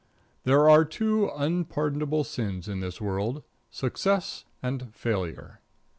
There are two unpardonable sins in this world success and failure.